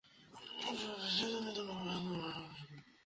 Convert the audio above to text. তবে আমরা সারা দেশে ইঁদুর নিধনের ব্যাপারে সাধারণ মানুষকে প্রশিক্ষণ দিয়ে থাকি।